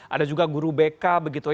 ada juga guru bk begitu ya